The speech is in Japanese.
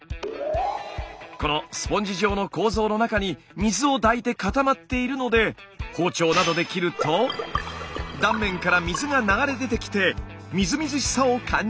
このスポンジ状の構造の中に水を抱いて固まっているので包丁などで切ると断面から水が流れ出てきてみずみずしさを感じるんです。